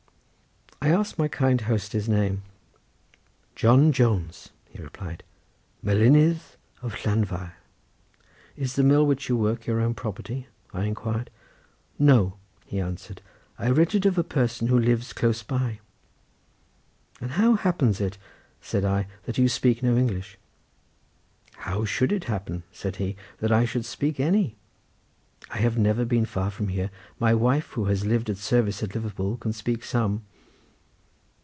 I asked my kind host his name. "John Jones," he replied, "Melinydd of Llanfair." "Is the mill which you work your own property?" I inquired. "No," he answered, "I rent it of a person who lives close by." "And how happens it," said I, "that you speak no English?" "How should it happen," said he, "that I should speak any? I have never been far from here; my wife who has lived at service at Liverpool can speak some."